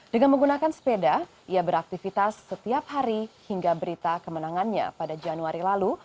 dengan menggunakan sepeda ia beraktivitas setiap hari hingga berita kemenangannya pada januari lalu